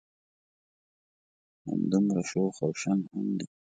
همدمره شوخ او شنګ هم دی.